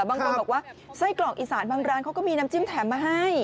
บางคนบอกว่าไส้กรอกอีสานบางร้านเขาก็มีน้ำจิ้มแถมมาให้